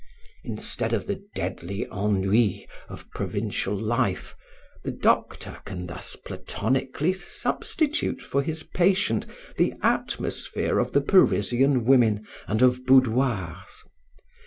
Instead of the deadly ennui of provincial life, the doctor can thus platonically substitute for his patient the atmosphere of the Parisian women and of boudoirs.